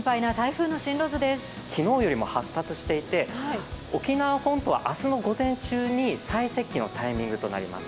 昨日よりも発達していて沖縄本島は明日の午前中に最接近のタイミングとなります。